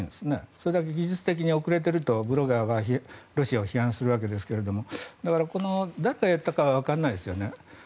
それだけ技術的に遅れているとブロガーはロシアを批判するわけですがだから、誰がやったかはわからないですよね。